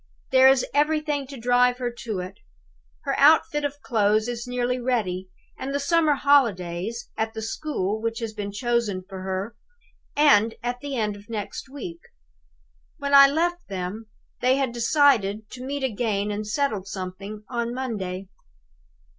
There is everything to drive her to it. Her outfit of clothes is nearly ready; and the summer holidays, at the school which has been chosen for her, end at the end of next week. When I left them, they had decided to meet again and settle something on Monday.